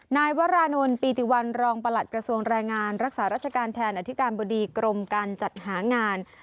นายวรานวลปีติวันรองประหลัดระหลักษารัชกาลแทนอธิการบดีกรมการจัดหางาน